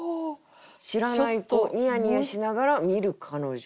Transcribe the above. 「知らない子ニヤニヤしながら見る彼女」。